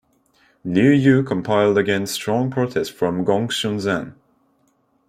Liu Yu complied against strong protest from Gongsun Zan.